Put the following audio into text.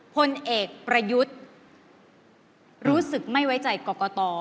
พลเอกประยุทธ์รู้สึกไม่ไว้ใจกรกต